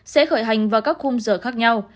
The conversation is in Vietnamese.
sẽ khởi hành vào các khung giờ khác nhau